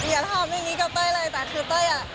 อย่าทำอย่างนี้กับเต้ยเลยแต่คือเต้ยอ่ะ